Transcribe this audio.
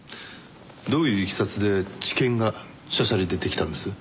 どういういきさつで地検がしゃしゃり出てきたんです？